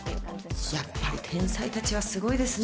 やっぱり天才たちはすごいですね。